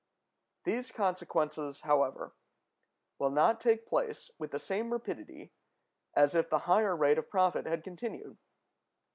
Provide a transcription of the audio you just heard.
These consequences, however, will not take place with the same rapidity as if the higher rate of profit had continued.